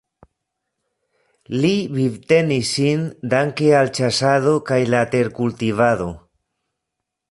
Ili vivtenis sin danke al ĉasado kaj la terkultivado.